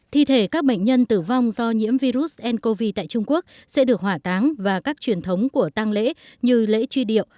thi thể các bệnh nhân tử vong do nhiễm virus ncov tại trung quốc sẽ được hỏa táng và các truyền thống của tăng lễ như lễ truy điệu